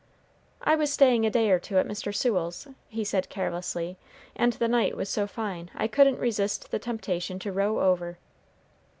"I was staying a day or two at Mr. Sewell's," he said, carelessly, "and the night was so fine I couldn't resist the temptation to row over."